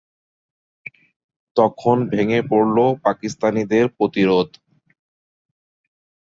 তখন ভেঙে পড়ল পাকিস্তানিদের প্রতিরোধ।